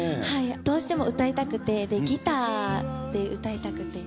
どうしても歌いたくてギターで歌いたくて。